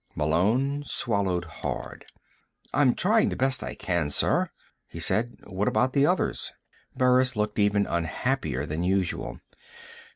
Malone swallowed hard. "I'm trying the best I can, sir," he said. "What about the others?" Burris looked even unhappier than usual.